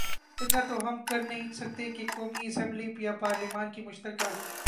اتنا تو ہم کرنہیں سکتے کہ قومی اسمبلی یا پارلیمان کے مشترکہ